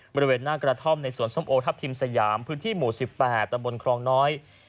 บริเวณหน้ากระท่อมในสวนส้มโอทัพทิมสยามพื้นที่หมู่๑๘ตำบลครองน้อย